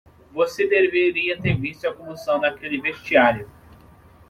Você deveria ter visto a comoção naquele vestiário.